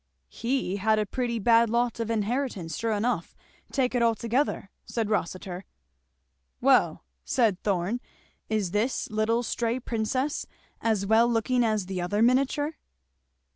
"He had a pretty bad lot of an inheritance sure enough, take it all together," said Rossitur. "Well," said Thorn, "is this little stray princess as well looking as t'other miniature?"